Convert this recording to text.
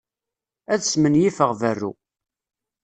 Ad smenyifeɣ berru.